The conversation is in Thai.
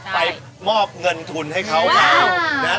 ไปมอบเงินทุนให้เขาครับ